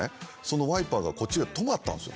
そのワイパーがこっちで止まったんですよ。